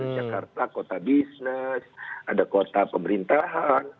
jakarta kota bisnis ada kota pemerintahan